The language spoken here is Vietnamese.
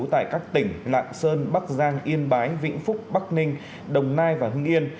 tại các tỉnh lạng sơn bắc giang yên bái vĩnh phúc bắc ninh đồng nai và hưng yên